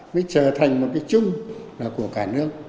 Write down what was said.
mới trở thành một cái chung là của cả nước